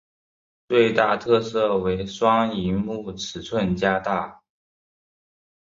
最大特色为双萤幕尺寸加大。